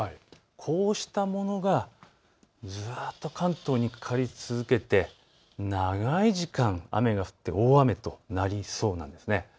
こうしたものがずっと関東にかかり続けて長い時間、雨が降って大雨となりそうなんです。